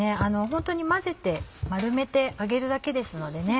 ホントに混ぜて丸めて揚げるだけですのでね